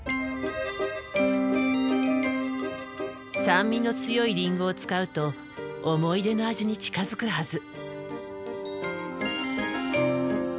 酸味の強いリンゴを使うと思い出の味に近づくはず。